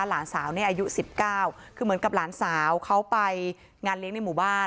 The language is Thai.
หลานสาวเนี่ยอายุ๑๙คือเหมือนกับหลานสาวเขาไปงานเลี้ยงในหมู่บ้าน